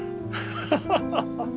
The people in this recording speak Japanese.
ハハハハ。